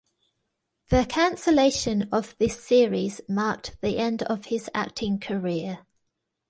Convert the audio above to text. The cancellation of this series marked the end of his acting career.